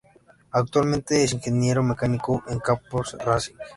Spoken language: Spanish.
Actualmente es ingeniero mecánico en Campos Racing.